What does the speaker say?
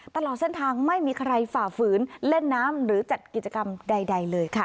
ตลอดเส้นทางไม่มีใครฝ่าฝืนเล่นน้ำหรือจัดกิจกรรมใดเลยค่ะ